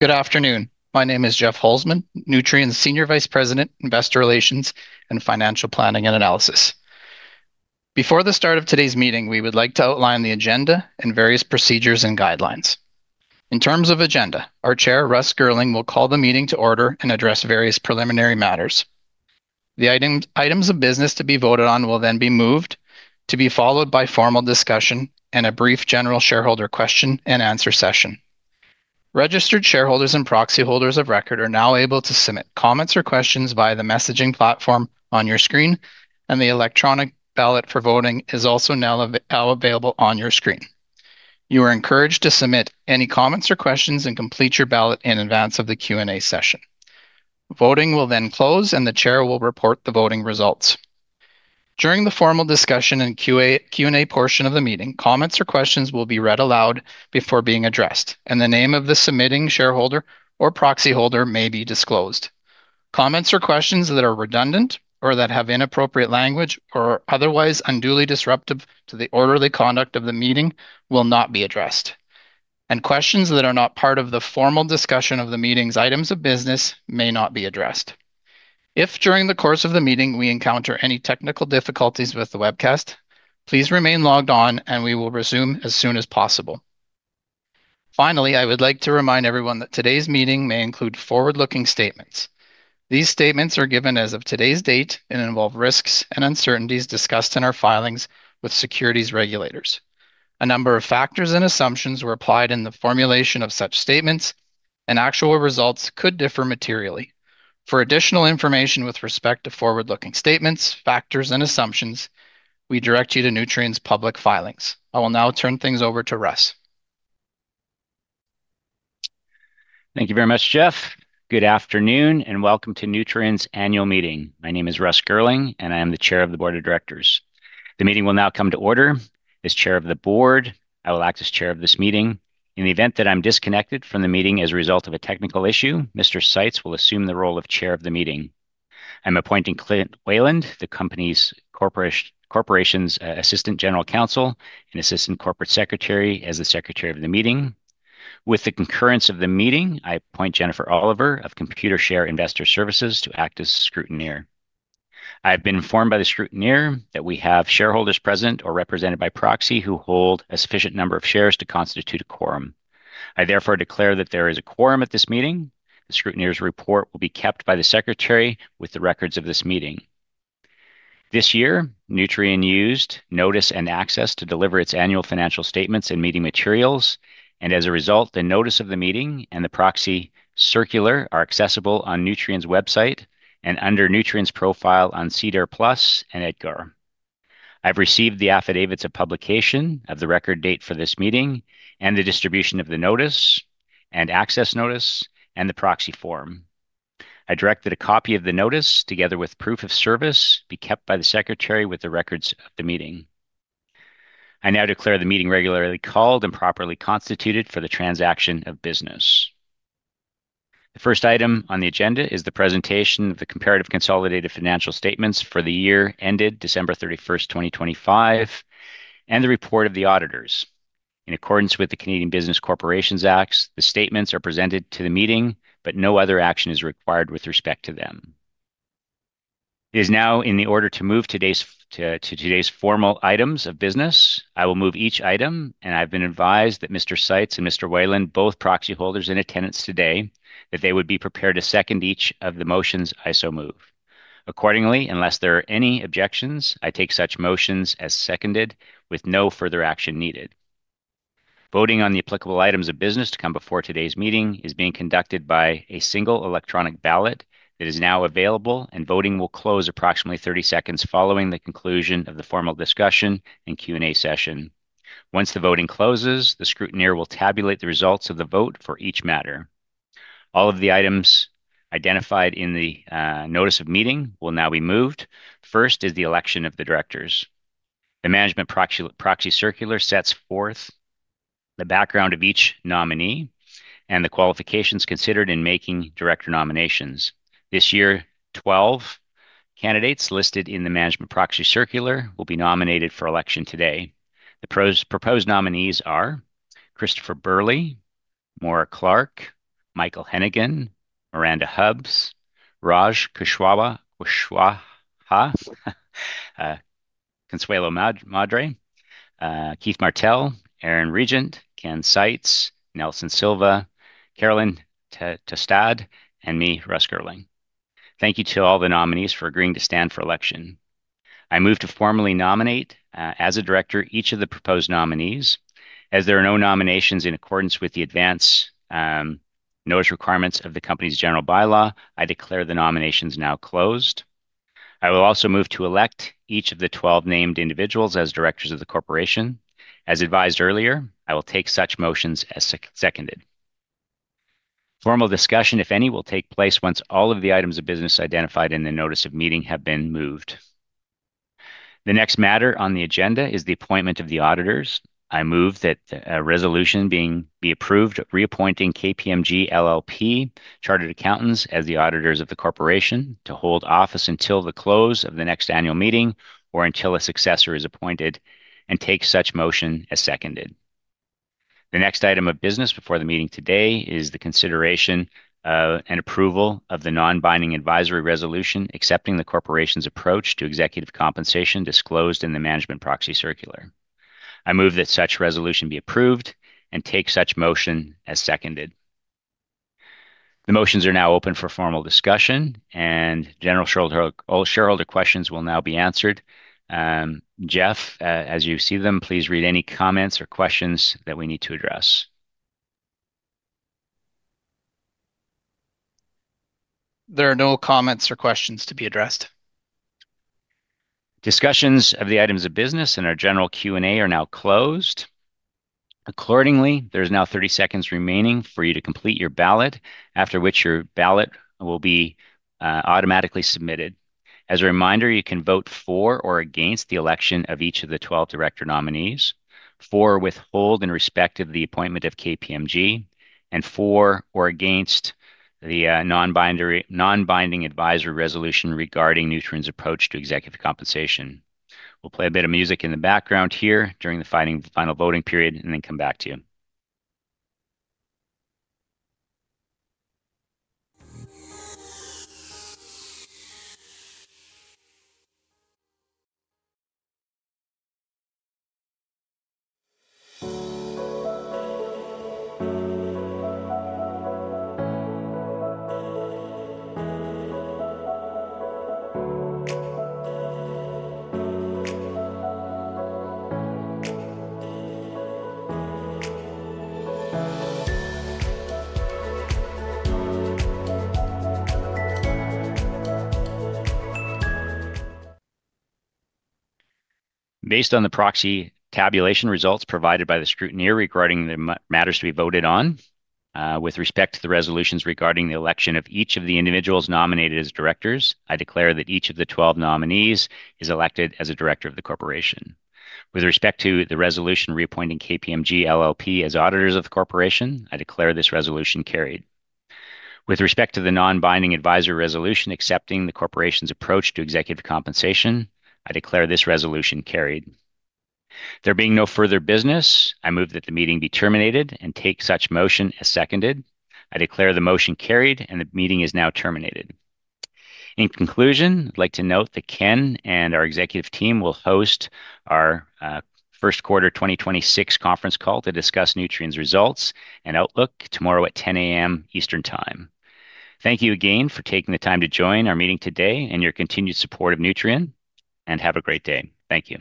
Good afternoon. My name is Jeff Holzman, Nutrien's Senior Vice President, Investor Relations, and Financial Planning and Analysis. Before the start of today's meeting, we would like to outline the agenda and various procedures and guidelines. In terms of agenda, our Chair, Russ Girling, will call the meeting to order and address various preliminary matters. The items of business to be voted on will then be moved, to be followed by formal discussion and a brief general shareholder question-and-answer session. Registered shareholders and proxy holders of record are now able to submit comments or questions via the messaging platform on your screen, and the electronic ballot for voting is also now available on your screen. You are encouraged to submit any comments or questions and complete your ballot in advance of the Q&A session. Voting will then close, and the Chair will report the voting results. During the formal discussion and Q&A portion of the meeting, comments or questions will be read aloud before being addressed, and the name of the submitting shareholder or proxy holder may be disclosed. Comments or questions that are redundant or that have inappropriate language or are otherwise unduly disruptive to the orderly conduct of the meeting will not be addressed. Questions that are not part of the formal discussion of the meeting's items of business may not be addressed. If, during the course of the meeting, we encounter any technical difficulties with the webcast, please remain logged on, and we will resume as soon as possible. Finally, I would like to remind everyone that today's meeting may include forward-looking statements. These statements are given as of today's date and involve risks and uncertainties discussed in our filings with securities regulators. A number of factors and assumptions were applied in the formulation of such statements, and actual results could differ materially. For additional information with respect to forward-looking statements, factors, and assumptions, we direct you to Nutrien's public filings. I will now turn things over to Russ. Thank you very much, Jeff. Good afternoon, and welcome to Nutrien's Annual Meeting. My name is Russ Girling, and I am the Chair of the Board of Directors. The meeting will now come to order. As Chair of the Board, I will act as Chair of this Meeting. In the event that I'm disconnected from the meeting as a result of a technical issue, Mr. Seitz will assume the role of Chair of the Meeting. I'm appointing Clint Weiland, the company's corporation's Assistant General Counsel and Assistant Corporate Secretary as the Secretary of the Meeting. With the concurrence of the meeting, I appoint Jennifer Oliver of Computershare Investor Services to act as Scrutineer. I have been informed by the Scrutineer that we have shareholders present or represented by proxy who hold a sufficient number of shares to constitute a quorum. I therefore declare that there is a quorum at this meeting. The scrutineer's report will be kept by the secretary with the records of this meeting. This year, Nutrien used notice and access to deliver its annual financial statements and meeting materials, and as a result, the notice of the meeting and the proxy circular are accessible on Nutrien's website and under Nutrien's profile on SEDAR+ and EDGAR. I've received the affidavits of publication of the record date for this meeting and the distribution of the notice and access notice and the proxy form. I direct that a copy of the notice, together with proof of service, be kept by the secretary with the records of the meeting. I now declare the meeting regularly called and properly constituted for the transaction of business. The first item on the agenda is the presentation of the comparative consolidated financial statements for the year ended December 31st, 2025, and the report of the auditors. In accordance with the Canada Business Corporations Act, the statements are presented to the meeting, but no other action is required with respect to them. It is now in the order to move to today's formal items of business. I will move each item, and I've been advised that Mr. Seitz and Mr. Weiland, both proxy holders in attendance today, that they would be prepared to second each of the motions I so move. Accordingly, unless there are any objections, I take such motions as seconded with no further action needed. Voting on the applicable items of business to come before today's meeting is being conducted by a single electronic ballot that is now available, and voting will close approximately 30 seconds following the conclusion of the formal discussion and Q&A session. Once the voting closes, the scrutineer will tabulate the results of the vote for each matter. All of the items identified in the notice of meeting will now be moved. First is the election of the directors. The management proxy circular sets forth the background of each nominee and the qualifications considered in making director nominations. This year, 12 candidates listed in the management proxy circular will be nominated for election today. The proposed nominees are Christopher Burley, Maura Clark, Michael Hennigan, Miranda Hubbs, Raj Kushwaha, Consuelo Madere, Keith Martell, Aaron Regent, Ken Seitz, Nelson Silva, Carolyn Tastad, and me, Russ Girling. Thank you to all the nominees for agreeing to stand for election. I move to formally nominate as a director each of the proposed nominees. As there are no nominations in accordance with the advance notice requirements of the company's general bylaw, I declare the nominations now closed. I will also move to elect each of the 12 named individuals as directors of the corporation. As advised earlier, I will take such motions as seconded. Formal discussion, if any, will take place once all of the items of business identified in the notice of meeting have been moved. The next matter on the agenda is the appointment of the auditors. I move that a resolution be approved reappointing KPMG LLP Chartered Accountants as the auditors of the corporation to hold office until the close of the next annual meeting or until a successor is appointed and take such motion as seconded. The next item of business before the meeting today is the consideration and approval of the non-binding advisory resolution accepting the corporation's approach to executive compensation disclosed in the management proxy circular. I move that such resolution be approved and take such motion as seconded. The motions are now open for formal discussion, and general shareholder questions will now be answered. Jeff, as you see them, please read any comments or questions that we need to address. There are no comments or questions to be addressed. Discussions of the items of business and our general Q&A are now closed. Accordingly, there's now 30 seconds remaining for you to complete your ballot, after which your ballot will be automatically submitted. As a reminder, you can vote for or against the election of each of the 12 director nominees, for or withhold in respect of the appointment of KPMG, and for or against the non-binding advisory resolution regarding Nutrien's approach to executive compensation. We'll play a bit of music in the background here during the final voting period and then come back to you. Based on the proxy tabulation results provided by the scrutineer regarding the matters to be voted on with respect to the resolutions regarding the election of each of the individuals nominated as directors, I declare that each of the 12 nominees is elected as a director of the corporation. With respect to the resolution reappointing KPMG LLP as auditors of the corporation, I declare this resolution carried. With respect to the non-binding advisory resolution accepting the corporation's approach to executive compensation, I declare this resolution carried. There being no further business, I move that the meeting be terminated and take such motion as seconded. I declare the motion carried, and the meeting is now terminated. In conclusion, I'd like to note that Ken and our executive team will host our first quarter 2026 conference call to discuss Nutrien's results and outlook tomorrow at 10:00 AM Eastern Time. Thank you again for taking the time to join our meeting today and your continued support of Nutrien, and have a great day. Thank you.